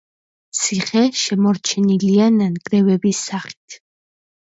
ციხე შემორჩენილია ნანგრევების სახით.